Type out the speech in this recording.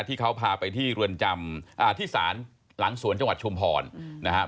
ที่เขาพาไปที่เรือนจำที่ศาลหลังสวนจังหวัดชุมพรนะครับ